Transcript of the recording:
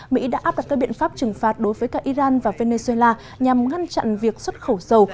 mỹ đã áp đặt các biện pháp trừng phạt đối với cả iran và venezuela nhằm ngăn chặn việc xuất khẩu dầu